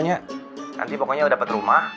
nanti pokoknya udah dapet rumah